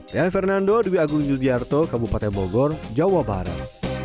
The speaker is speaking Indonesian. t a fernando dwi agung yudiarto kabupaten bogor jawa barat